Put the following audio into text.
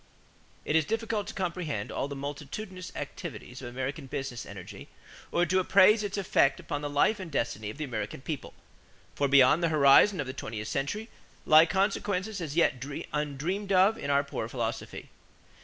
= It is difficult to comprehend all the multitudinous activities of American business energy or to appraise its effects upon the life and destiny of the American people; for beyond the horizon of the twentieth century lie consequences as yet undreamed of in our poor philosophy.